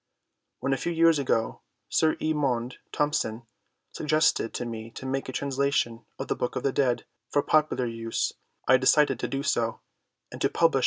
When a few years ago Sir E. Maunde Thompson suggested to me to make a translation of the Book of the Dead for popular use I decided to do so, and to publish XII PREFACE.